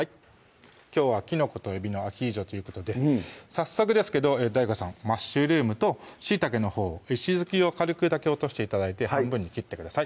きょうは「きのこと海老のアヒージョ」ということで早速ですけどＤＡＩＧＯさんマッシュルームとしいたけのほう石突きを軽くだけ落として頂いて半分に切ってください